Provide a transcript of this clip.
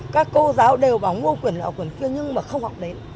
các cô giáo đều bảo mua quyển nào quyển kia nhưng mà không học đến